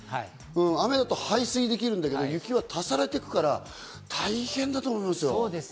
雨だと排水できるんだけど雪は足されていくから大変だと思いますよ。